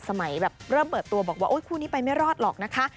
สมัยแบบเริ่มเปิดตัวบอกว่าคู่นี้ไปไม่รอดหรอกนะคะ